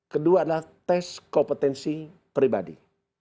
kedua adalah tes kompetensi pribadi